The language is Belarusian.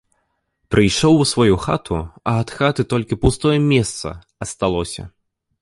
Прыйшоў у сваю хату, а ад хаты толькі пустое месца асталося.